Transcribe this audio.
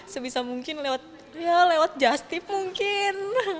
sebisa mungkin lewat ya lewat just tip mungkin